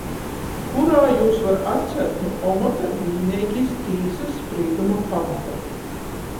Kurā jūs var atceļt nu omota vīneigi iz tīsys sprīduma pamata.